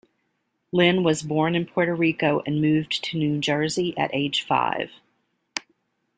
Lynn was born in Puerto Rico and moved to New Jersey at age five.